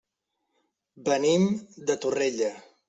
Venim de Torrella.